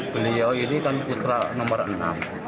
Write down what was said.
beliau ini kan putra nomor enam